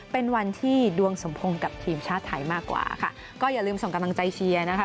เป็นวันที่ดวงสมพงษ์กับทีมชาติไทยมากกว่าค่ะก็อย่าลืมส่งกำลังใจเชียร์นะคะ